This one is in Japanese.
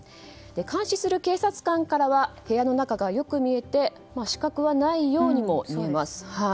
監視する警察官からは部屋の中がよく見えて死角はないようにも見えます。